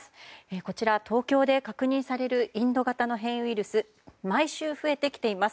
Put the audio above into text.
東京で確認されるインド型の変異ウイルスが毎週増えてきています。